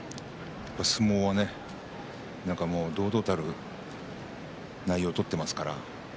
相撲はね、堂々たる内容で取っていますから。